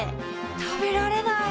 食べられない。